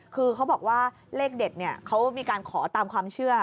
คือเขาบอกว่าเลขเด็ดเนี่ยเขามีการขอตามความเชื่อ